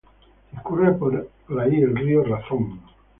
Discurre por ahí el río Razón.